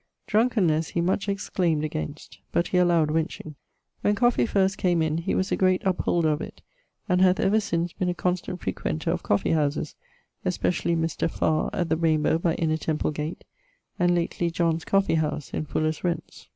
Drunkennesse he much exclaimed against, but he allowed wenching. When coffee first came in he was a great upholder of it, and hath ever since been a constant frequenter of coffee houses, especially Mr. ... Farre at the Rainbowe by Inner Temple Gate, and lately John's coffee house in Fuller's rents.